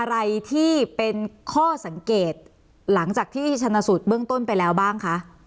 อะไรที่เป็นข้อสังเกตหลังจากที่ชนะสูตรเบื้องต้นไปแล้วบ้างคะ